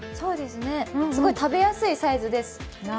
すごい食べやすいサイズです。